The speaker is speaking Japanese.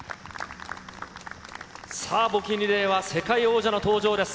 さあ、募金リレーは、世界王者の登場です。